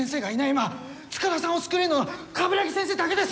今塚田さんを救えるのは鏑木先生だけです。